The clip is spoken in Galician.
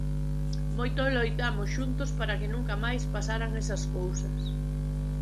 Moito loitamos xuntos para que nunca máis pasaran esas cousas.